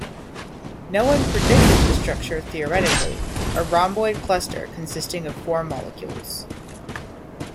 No one predicted the structure theoretically: a rhomboid cluster consisting of four molecules.